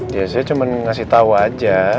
ya saya cuman ngasih tau aja